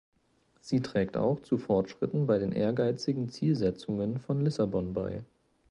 Sie trägt auch zu Fortschritten bei den ehrgeizigen Zielsetzungen von Lissabon bei.